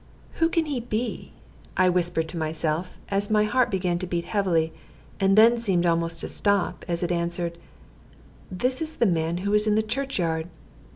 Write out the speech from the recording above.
"Who can he be?" I whispered to myself, as my heart began to beat heavily, and then seemed almost to stop, as it answered, "This is the man who was in the churchyard."